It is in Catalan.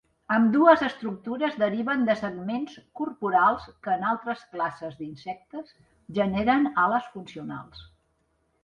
Ambdues estructures deriven de segments corporals que en altres classes d'insectes generen ales funcionals.